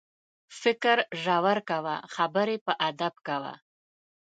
فکر ژور کوه، خبرې په ادب کوه.